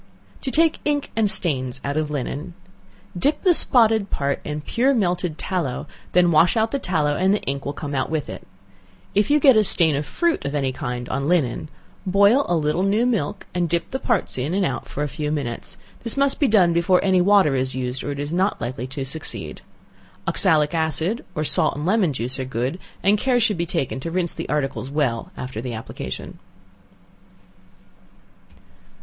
To Take Ink and Stains out of Linen. Dip the spotted part in pure melted tallow, then wash out the tallow and the ink will come out with it. If you get a stain of fruit of any kind on linen, boil a little new milk, and dip the parts in and out for a few minutes; this must be done before any water is used, or it will not be likely to succeed. Oxalic acid, or salt and lemon juice are good, and care should be taken to rinse the articles well after the application.